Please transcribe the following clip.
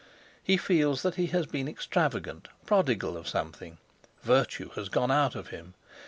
He feels that he has been extravagant, prodigal of something; virtue has gone out of him.